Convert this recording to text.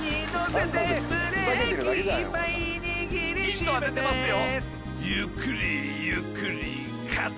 ヒントは出てますよ。